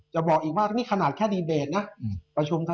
จะบอกอีกว่านี่ขนาดแค่ดีเบจนะ